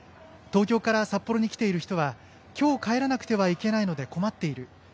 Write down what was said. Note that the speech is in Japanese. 東京から札幌に来ている人はきょう帰らなくてはいけないので困っている。